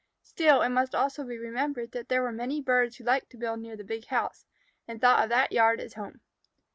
Still, it must also be remembered that there were many birds who liked to build near the big house, and thought of that yard as home.